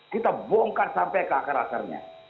kita bongkar sampai ke akar akarnya